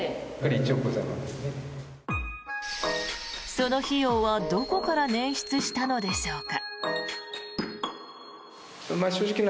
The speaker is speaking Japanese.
その費用はどこから捻出したのでしょうか。